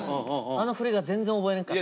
あの振りが全然覚えれんかった。